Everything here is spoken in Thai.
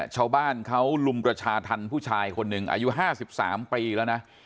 ชาวบ้านเขาลุมประชาธรรมผู้ชายคนหนึ่งอายุ๕๓ปีแล้วนะ